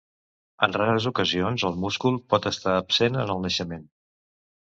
En rares ocasions el múscul pot estar absent en el naixement.